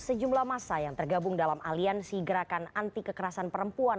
sejumlah masa yang tergabung dalam aliansi gerakan anti kekerasan perempuan